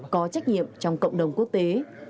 có trách nhiệm trong cộng đồng quốc tế